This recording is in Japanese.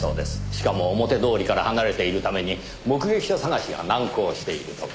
しかも表通りから離れているために目撃者探しが難航しているとか。